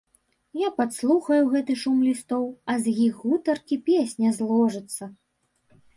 Я падслухаю гэты шум лістоў, а з іх гутаркі песня зложыцца.